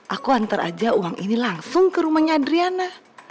aku antar aja uang ini langsung ke rumahnya adriana